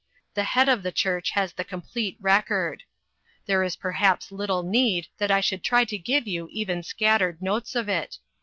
The head of the Church has the complete record. There is perhaps little need that I should try to give you even scattered notes of it.